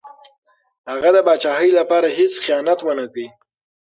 هغه د پاچاهۍ لپاره هېڅ خیانت ونه کړ.